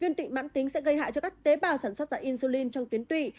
viên tụy mạng tính sẽ gây hại cho các tế bào sản xuất ra insulin trong tiến tụy